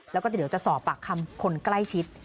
แล้วก็เดี๋ยวจะสอบปากคำคนใกล้ชิด